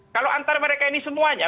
kalau antara mereka ini semuanya